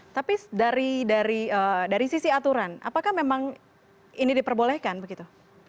tapi dari sisi aturan apakah memang ini diperbolehkan begitu